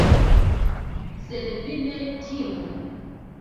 Sed vi ne timu!